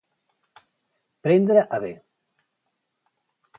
Prendre a bé.